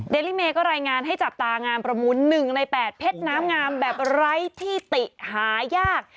ลิเมก็รายงานให้จับตางานประมูล๑ใน๘เพชรน้ำงามแบบไร้ที่ติหายาก